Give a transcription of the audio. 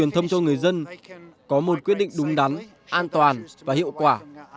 để tìm thông cho người dân có một quyết định đúng đắn an toàn và hiệu quả